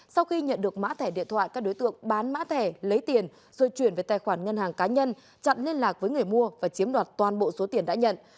sau khi nhận được mã thẻ điện thoại các đối tượng bán mã thẻ lấy tiền rồi chuyển về tài khoản ngân hàng cá nhân chặn liên lạc với người mua và chiếm đoạt toàn bộ số tiền đã nhận